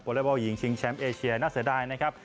เล็กบอลหญิงชิงแชมป์เอเชียน่าเสียดายนะครับ